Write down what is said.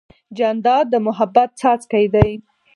جانداد د محبت څاڅکی دی.